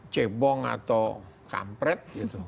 cebong atau kampret